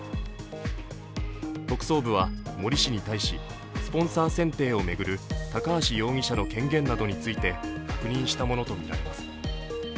特捜部は森氏に対しスポンサー選定を巡る高橋容疑者の権限などについて確認したものとみられます。